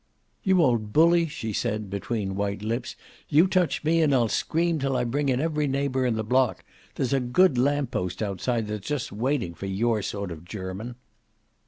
"You old bully!" she said, between white lips. "You touch me, and I'll scream till I bring in every neighbor in the block. There's a good lamp post outside that's just waiting for your sort of German."